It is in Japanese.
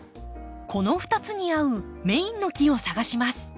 この２つに合うメインの木を探します。